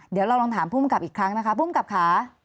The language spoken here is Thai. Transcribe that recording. เดี๋ยวเราลองถามภูมิกับอีกครั้งนะคะภูมิกับค่ะ